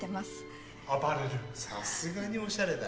・さすがにおしゃれだ。